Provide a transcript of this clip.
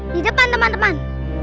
di depan teman teman